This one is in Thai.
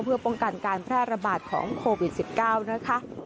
เพื่อป้องกันการแพร่ระบาดของโควิด๑๙นะคะ